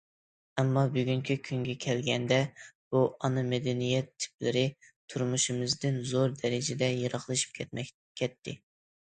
ئەمما بۈگۈنكى كۈنگە كەلگەندە بۇ ئانا مەدەنىيەت تىپلىرى تۇرمۇشىمىزدىن زور دەرىجىدە يىراقلىشىپ كەتتى.